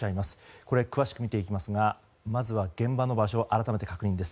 これ、詳しく見ていきますがまず現場の場所改めて確認です。